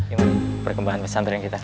ini perkembangan santri kita